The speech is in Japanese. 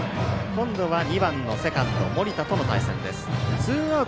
今度は２番のセカンド森田との対戦。